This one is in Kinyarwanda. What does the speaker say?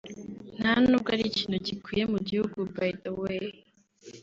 nta n’ubwo ari ikintu gikwiye mu gihugu by the way